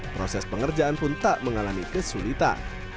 proses pengerjaan pun tak mengalami kesulitan